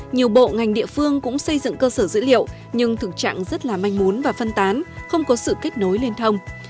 nhiều bộ ngành địa phương cũng xây dựng cơ sở dữ liệu nhưng thực trạng rất là manh muốn và phân tán không có sự kết nối liên thông